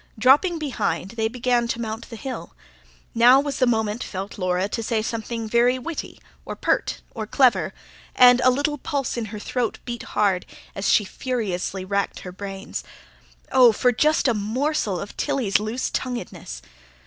Dropping behind, they began to mount the hill. Now was the moment, felt Laura, to say something very witty, or pert, or clever; and a little pulse in her throat beat hard, as she furiously racked her brains. Oh, for just a morsel of Tilly's loose tonguedness!